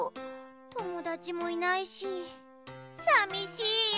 ともだちもいないしさみしいよ！